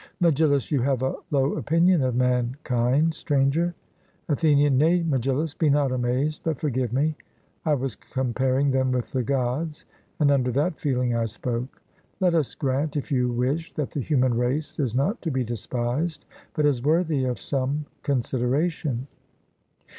MEGILLUS: You have a low opinion of mankind, Stranger. ATHENIAN: Nay, Megillus, be not amazed, but forgive me: I was comparing them with the Gods; and under that feeling I spoke. Let us grant, if you wish, that the human race is not to be despised, but is worthy of some consideration.